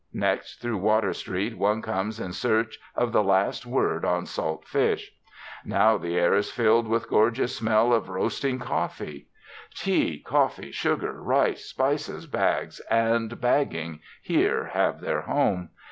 Next, through Water Street, one comes in search of the last word on salt fish. Now the air is filled with gorgeous smell of roasting coffee. Tea, coffee, sugar, rice, spices, bags and bagging here have their home.